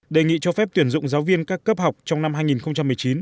đề nghị cho phép tuyển dụng giáo viên các cấp học trong năm hai nghìn một mươi chín